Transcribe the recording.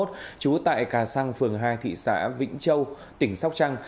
trú tại cà săng phường hai thị xã vĩnh châu tỉnh sóc trăng